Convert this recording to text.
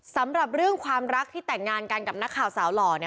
สำหรับเรื่องความรักที่แต่งงานกันกับนักข่าวสาวหล่อเนี่ย